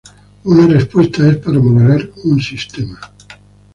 Una respuesta es para modelar un sistema.